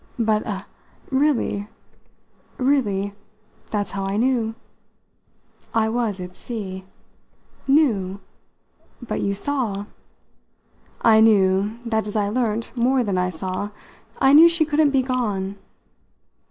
"But a really?" "Really. That's how I knew." I was at sea. "'Knew'? But you saw." "I knew that is I learnt more than I saw. I knew she couldn't be gone."